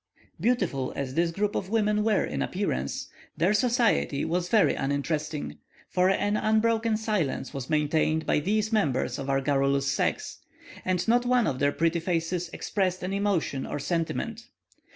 Beautiful as this group of women were in appearance, their society was very uninteresting, for an unbroken silence was maintained by these members of our garrulous sex, and not one of their pretty faces expressed an emotion or sentiment.